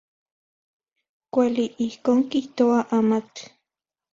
Kuali, ijkon kijtoa amatl.